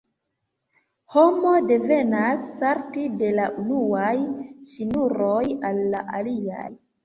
Homo devas salti de la unuaj ŝnuroj al la aliaj.